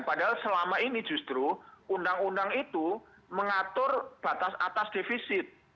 padahal selama ini justru undang undang itu mengatur batas atas defisit